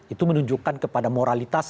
itu menunjukkan kepada moralitas